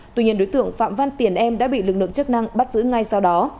tuy nhiên đối tượng phạm văn tiền em đã bị lực lượng chức năng bắt giữ ngay sau đó